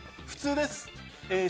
普通です。